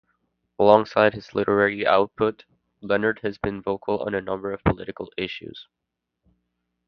Alongside his literary output, Leonard has been vocal on a number of political issues.